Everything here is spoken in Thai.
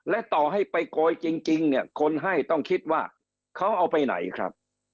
และต่อให้ไปโกยจริงเนี่ยคนให้ต้องคิดว่าเขาเอาไปไหนครับ